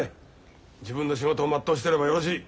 自分の仕事を全うしてればよろしい。